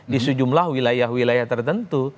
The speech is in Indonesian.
di sejumlah wilayah wilayah tertentu